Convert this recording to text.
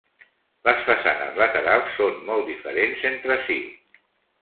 Les façanes laterals són molt diferents entre si.